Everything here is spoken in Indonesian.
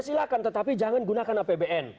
silahkan tetapi jangan gunakan apbn